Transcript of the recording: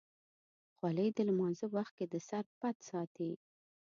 خولۍ د لمانځه وخت کې د سر پټ ساتي.